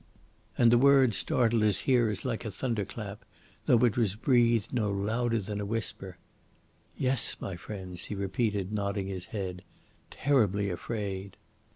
And the word startled his hearers like a thunderclap, though it was breathed no louder than a whisper, "Yes, my friends," he repeated, nodding his head, "terribly afraid."